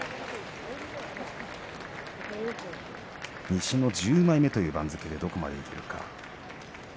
西の１０枚目の番付でどこまでいけるか。